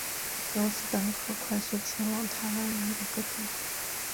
由此等可快速前往台湾南北各地。